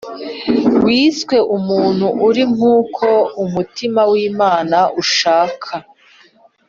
wiswe umuntu uri nk'uko umutima w'Imana ushaka,